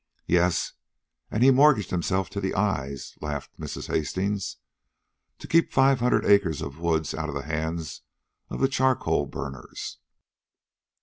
"Yes, and he mortgaged himself to the eyes," laughed Mrs. Hastings, "to keep five hundred acres of woods out of the hands of the charcoal burners."